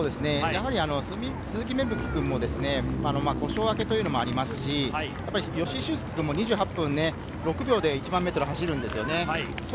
鈴木芽吹君も故障あけというのもありますし、吉居駿恭君も２８分６秒で１００００ｍを走るんですよね。